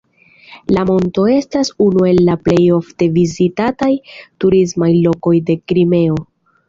La monto estas unu el la plej ofte vizitataj turismaj lokoj de Krimeo.